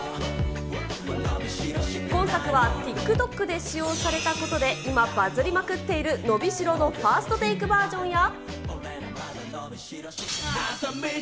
今作は、ティックトックで使用されたことで今、バズりまくっているのびしろのファーストテイクバージョンや。